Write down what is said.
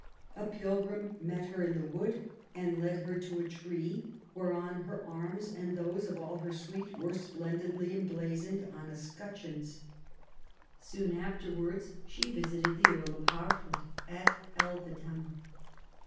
A pilgrim met her in the wood and led her to a tree, whereon her arms and those of all her suite were splendidly emblazoned on escutcheons. Soon afterwards she visited the Earl of Hertford at Elvetham.